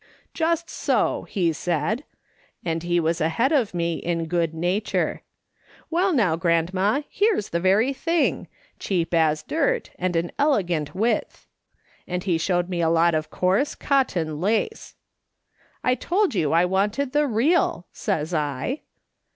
"* Just so,' he said — and he was ahead of me in good nature. ' Well, now, grandma, here's the very thing ; cheap as dirt, and an elegant width.' And he showed me a lot of coarse cotton lace !"' I told you I wanted the real,' says I.